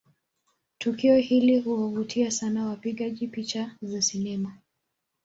Tukio hili huwavutia sana wapigaji picha za sinema